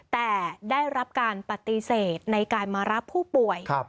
แต่ได้รับการปฏิเสธในการมารับผู้ป่วย